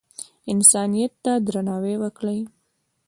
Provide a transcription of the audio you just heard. انسانیت ته درناوی وکړئ